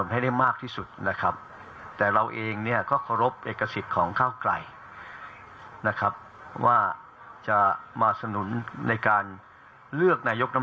แล้วทำให้สถานการณ์การเมืองขนาดนี้มันค่าก็สู่ความเรียบร้อย